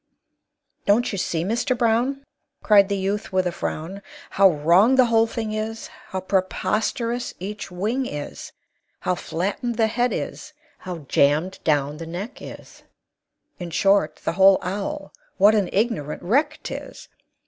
"Don't you see, Mr. Brown," Cried the youth, with a frown, "How wrong the whole thing is, How preposterous each wing is How flattened the head is, how jammed down the neck is In short, the whole owl, what an ignorant wreck 'tis!